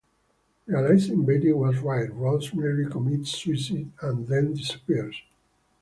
Realizing Betty was right, Ross nearly commits suicide and then disappears.